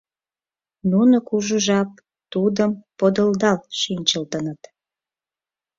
Нуно кужу жап тудым подылдал шинчылтыныт.